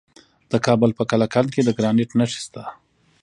د کابل په کلکان کې د ګرانیټ نښې شته.